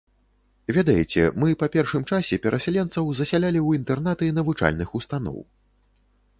Ведаеце, мы па першым часе перасяленцаў засялялі ў інтэрнаты навучальных устаноў.